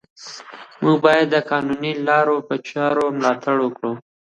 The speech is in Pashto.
موږ باید د قانوني لارو چارو ملاتړ وکړو